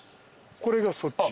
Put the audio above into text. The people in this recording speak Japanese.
これがそっち。